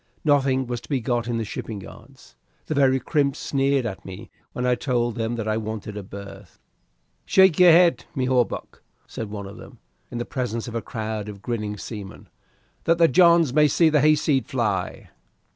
Nothing was to be got in the shipping yards. The very crimps sneered at me when I told them that I wanted a berth. "Shake your head, my hawbuck," said one of them, in the presence of a crowd of grinning seamen, "that the Johns may see the hayseed fly."